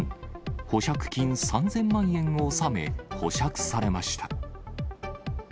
保釈金３０００万円を納め、保釈されました。